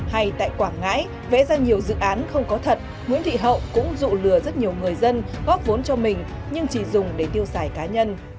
hay tại quảng ngãi vẽ ra nhiều dự án không có thật nguyễn thị hậu cũng dụ lừa rất nhiều người dân góp vốn cho mình nhưng chỉ dùng để tiêu xài cá nhân